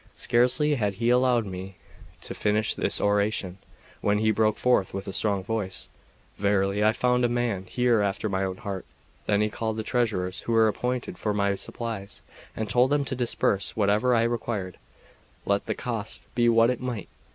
Scarcely had he allowed me to finish this oration, when he broke forth with a strong voice: "Verily I have found a man here after my own heart." Then he called the treasurers who were appointed for my supplies, and told them to disburse whatever I required, let the cost be what it might.